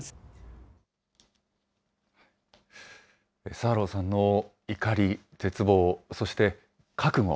サーローさんの怒り、絶望、そして覚悟。